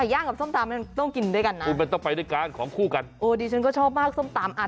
ใก่ย่างกับส้มตำต้องกินด้วยกันนะมันต้องไปด้วยกลานของคู่กันช้วงดีขวดูชมบ้างส้มตำ